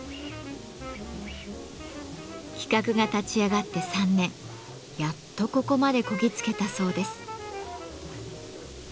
企画が立ち上がって３年やっとここまでこぎ着けたそうです。